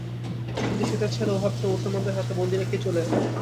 কিন্তু সে তার ছেলে ওহাবকে মুসলমানদের হাতে বন্দী রেখেই চলে এল।